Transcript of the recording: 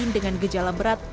dengan gejala berat